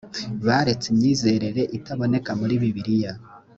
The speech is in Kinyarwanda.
baretse imyizerere itaboneka muri bibiliya